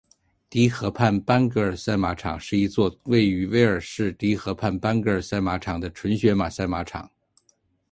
迪河畔班格尔赛马场是一座位于威尔士迪河畔班格尔赛马场的纯血马赛马场。